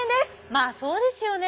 まあそうですよねえ。